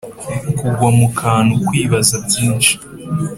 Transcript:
kugwa mu kantu kwibaza byinshi.